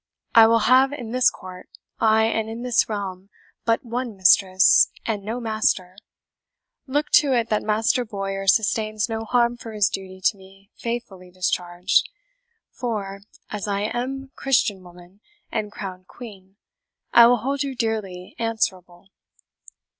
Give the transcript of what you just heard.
I will have in this court, ay, and in this realm, but one mistress, and no master. Look to it that Master Bowyer sustains no harm for his duty to me faithfully discharged; for, as I am Christian woman and crowned Queen, I will hold you dearly answerable.